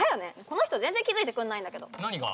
この人全然気付いてくんないんだけど何が？